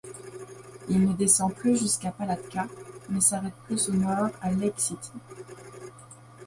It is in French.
Il ne descend plus jusqu'à Palatka, mais s'arrête plus au nord à Lake City.